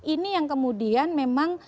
ini yang kemudian memang